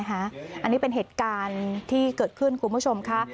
อันนี้เป็นเหตุการณ์ที่เกิดขึ้นคุณผู้ชมค่ะ